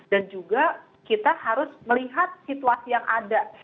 dan juga kita harus melihat situasi yang ada